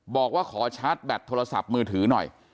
บอกว่าขอชาร์จแบตโทรศัพท์มือถือหน่อย